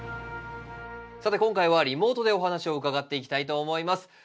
さて今回はリモートでお話を伺っていきたいと思います。